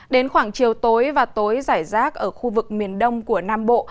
đến khoảng chiều tối và tối giải rác ở khu vực miền đông của nam bộ